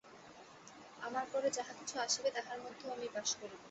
আমার পরে যাহা কিছু আসিবে, তাহার মধ্যেও আমি বাস করিব।